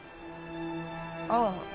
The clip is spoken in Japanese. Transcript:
ああ。